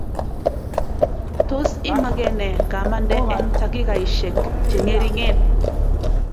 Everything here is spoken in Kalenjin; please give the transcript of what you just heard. tos imagene ngamande eng takikaishek chengering